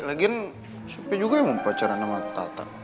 lagian siapa juga yang mau pacaran sama tata